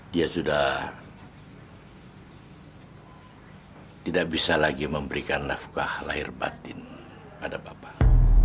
dia sudah tidak bisa lagi memberikan nafkah lahir batin pada bapak